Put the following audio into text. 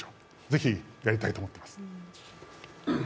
ぜひやりたいと思ってます。